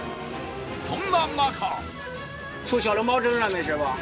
そんな中